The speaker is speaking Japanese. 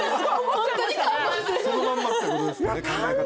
そのまんまってことですかね考え方